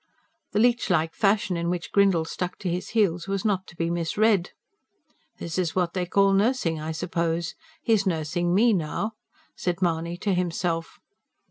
The leech like fashion in which Grindle stuck to his heels was not to be misread. "This is what they call nursing, I suppose he's nursing ME now!" said Mahony to himself.